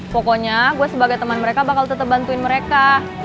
pokoknya gue sebagai teman mereka bakal tetap bantuin mereka